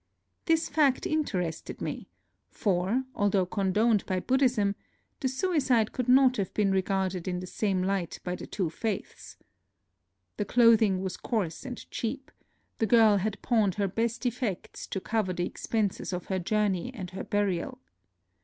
This fact inter ested me ; for, although condoned by Bud dhism, the suicide could not have been re garded in the same light by the two faiths. The clothing was coarse and cheap : the girl had pawned her best effects to cover the ex penses of her journey and her burial.